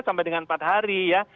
sampai dengan empat hari ya